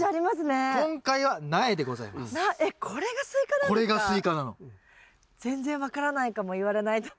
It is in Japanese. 全然分からないかも言われないと。